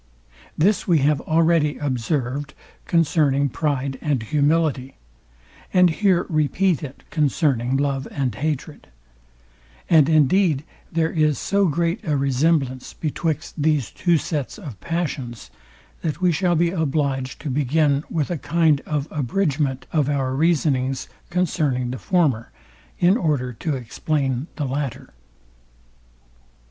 This we have already observed concerning pride and humility, and here repeat it concerning love and hatred; and indeed there is so great a resemblance betwixt these two sets of passions, that we shall be obliged to begin with a kind of abridgment of our reasonings concerning the former, in order to explain the latter.